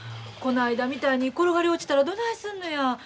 この間みたいに転がり落ちたらどないすんのや。